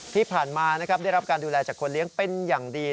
ที่ผ่านมานะครับได้รับการดูแลจากคนเลี้ยงเป็นอย่างดี